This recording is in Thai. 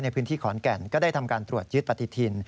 ในพื้นที่ขอนแก่นก็ได้ทำการตรวจยึดปฏิทิน